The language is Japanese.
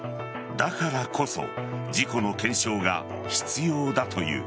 だからこそ事故の検証が必要だという。